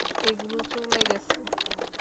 ওগুলো চলে গেছে!